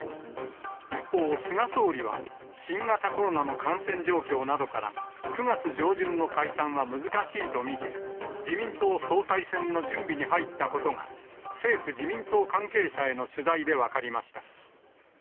一方、菅総理は新型コロナの感染状況などから、９月上旬の解散は難しいと見て、自民党総裁選の準備に入ったことが、政府・自民党関係者への取材で分かりました。